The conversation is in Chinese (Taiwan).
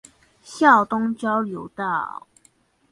孝東交流道